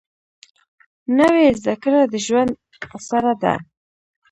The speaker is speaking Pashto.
نوې زده کړه د ژوند اسره ده